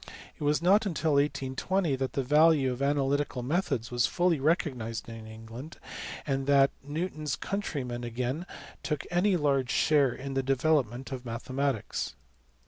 It was not until 1820 that the value of analytical methods was fully recognized in England, and that Newton s countrymen again took any large share in the development of mathematics.